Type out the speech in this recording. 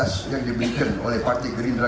seandainya partai gerindra